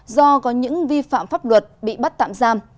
do có những vi phạm pháp luật bị bắt tạm giam